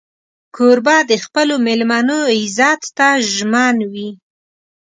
کوربه د خپلو مېلمنو عزت ته ژمن وي.